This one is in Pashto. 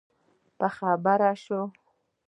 باخبره شي.